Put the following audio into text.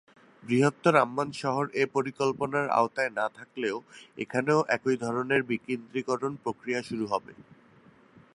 বৃহত্তর আম্মান শহর এ পরিকল্পনার আওতায় না থাকলেও এখানেও একই ধরনের বিকেন্দ্রীকরণ প্রক্রিয়া শুরু হবে।